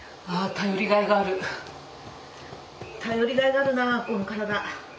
頼りがいがあるなこの体。